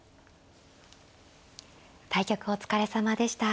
対局お疲れさまでした。